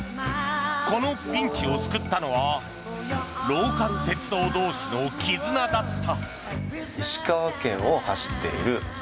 このピンチを救ったのはローカル鉄道同士の絆だった。